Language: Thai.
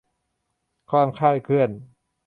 ความคลาดเคลื่อน